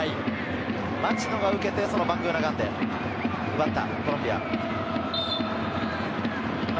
町野が受けて、バングーナガンデ奪った。